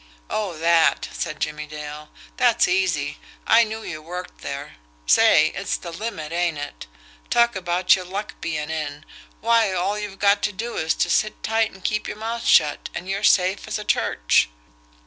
"Oh, that!" said Jimmie Dale. "That's easy I knew you worked there. Say, it's the limit, ain't it? Talk about your luck being in, why all you've got to do is to sit tight and keep your mouth shut, and you're safe as a church.